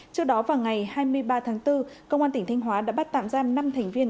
trước đó vào ngày hai mươi ba tháng bốn công an tỉnh thanh hóa đã bắt tạm giam năm thành viên